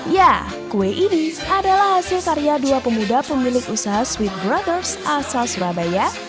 ya kue ini adalah hasil karya dua pemuda pemilik usaha sweet brothers asal surabaya